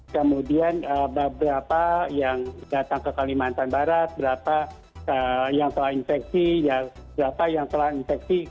kemudian beberapa yang datang ke kalimantan barat berapa yang telah infeksi berapa yang telah infeksi